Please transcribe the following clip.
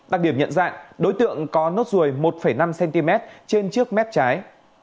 đặc điểm nhận dạng đối tượng có nốt ruồi một năm cm trên trước mép trái